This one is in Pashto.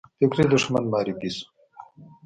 فکري دښمن معرفي شو